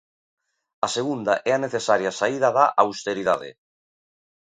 A segunda é a necesaria saída da austeridade.